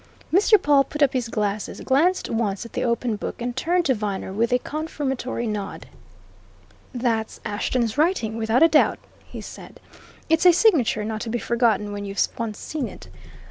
Mr. Pawle put up his glasses, glanced once at the open book, and turned to Viner with a confirmatory nod. "That's Ashton's writing, without a doubt," he said. "It's a signature not to be forgotten when you've once seen it.